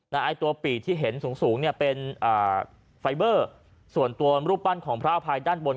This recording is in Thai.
ไอ้ตัวปีกที่เห็นสูงสูงเนี่ยเป็นไฟเบอร์ส่วนตัวรูปปั้นของพระอภัยด้านบน